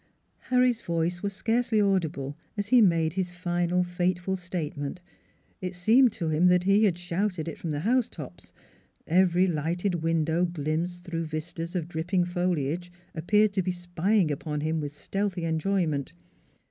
Harry's voice was scarcely audible as he made his final fateful statement. It seemed to him that he had shouted it from the housetops; every lighted window glimpsed through vistas of drip ping foliage appeared to be spying upon him with stealthy enjoyment.